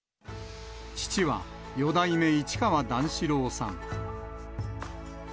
父は四代目市川段四郎さん。